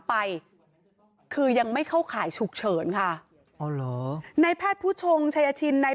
ไปคือยังไม่เข้าข่ายฉุกเฉินค่ะอ๋อเหรอในแพทย์ผู้ชงชัยชินใน